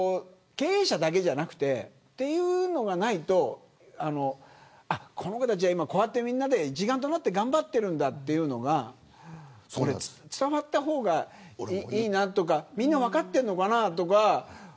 経営者だけじゃなくてというのがないとこの子たちは今こうやって一丸となって頑張っているんだというのが伝わった方がいいなとかみんな分かっているのかなとか。